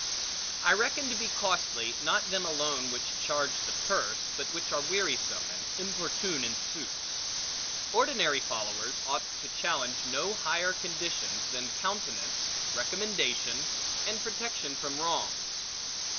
I reckon to be costly, not them alone which charge the purse, but which are wearisome, and importune in suits. Ordinary followers ought to challenge no higher conditions, than countenance, recommendation, and protection from wrongs.